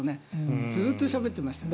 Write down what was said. ずっとしゃべってましたね。